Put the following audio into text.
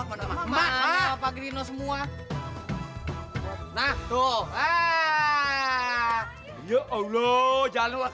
eh pat coba